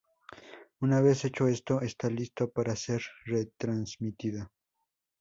Una vez hecho esto, está listo para ser retransmitido.